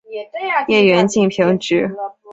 叶缘近平直。